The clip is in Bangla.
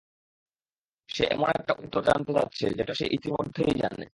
সে এমন একটা উত্তর জানতে চাচ্ছে যেটা সে ইতোমধ্যেই জানে।